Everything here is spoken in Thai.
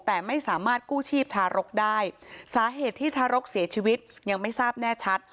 แต่ไม่สามารถกู้ชีพทารกได้สาเหตุที่ทารกเสียชีวิตยังไม่ทราบแน่ชัด